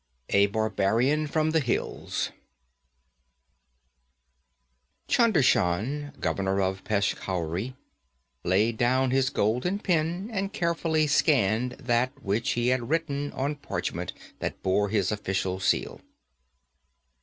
2 A Barbarian from the Hills Chunder Shan, governor of Peshkhauri, laid down his golden pen and carefully scanned that which he had written on parchment that bore his official seal.